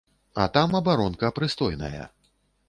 А там абаронка прыстойная.